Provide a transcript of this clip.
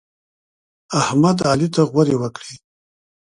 احمد؛ علي ته غورې وکړې.